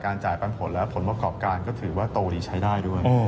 จ่ายปันผลและผลประกอบการก็ถือว่าโตดีใช้ได้ด้วย